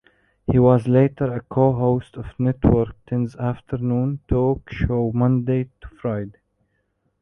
He was later a co-host of Network Ten's afternoon talk show "Monday To Friday".